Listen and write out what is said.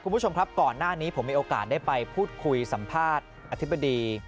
คุณผู้ชมครับก่อนหน้านี้ผมมีโอกาสได้ไปพูดคุยสัมภาษณ์อธิบดี